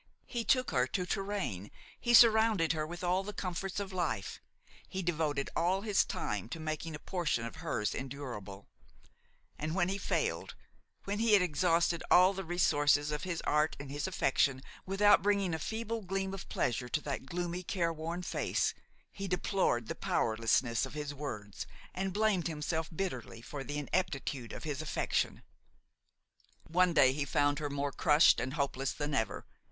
He took her to Touraine, he surrounded her with all the comforts of life; he devoted all his time to making a portion of hers endurable; and when he failed, when he had exhausted all the resources of his art and his affection without bringing a feeble gleam of pleasure to that gloomy, careworn face, he deplored the powerlessness of his words and blamed himself bitterly for the ineptitude of his affection. One day he found her more crushed and hopeless than ever.